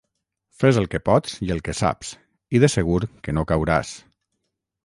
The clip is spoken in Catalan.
Fes el que pots i el que saps i de segur que no cauràs.